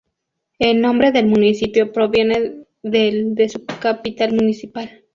El nombre del municipio proviene del de su capital municipal.